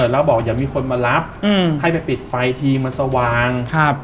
แล้วบอกอย่ามีคนมารับให้ไปปิดไฟทีมันสว่าง